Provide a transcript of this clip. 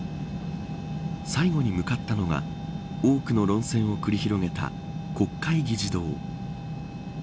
最後に向かったのが多くの論戦を繰り広げた国会議事堂。